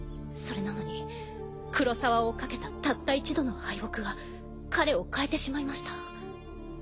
それなのに黒澤を賭けたたった一度の敗北は彼を変えてしまいました。